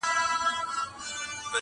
ممتاز به نوري کومي نخښي د تیرا راوړلې,